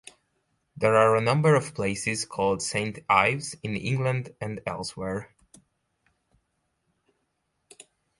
There are a number of places called Saint Ives in England and elsewhere.